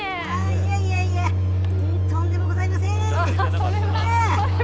いやいやいやとんでもございません。